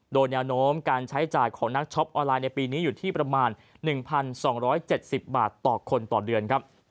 โดยแนวโน้มการใช้จ่ายของนักช็อปออนไลน์ในปีนี้อยู่ที่ประมาณ๑๒๗๐บาทต่อคนต่อเดือนครับ